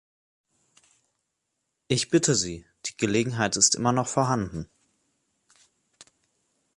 Ich bitte Sie, die Gelegenheit ist immer noch vorhanden.